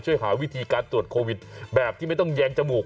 หาวิธีการตรวจโควิดแบบที่ไม่ต้องแยงจมูก